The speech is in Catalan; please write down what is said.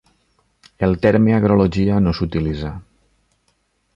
El terme agrologia no s'utilitza.